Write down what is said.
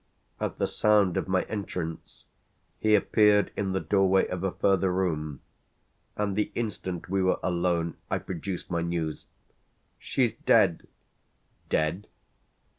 At the sound of my entrance he appeared in the doorway of a further room, and the instant we were alone I produced my news: "She's dead!" "Dead?"